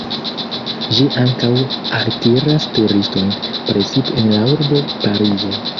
Ĝi ankaŭ altiras turistojn, precipe en la urbo Parizo.